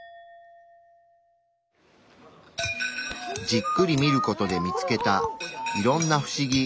じっくり見る事で見つけたいろんな不思議。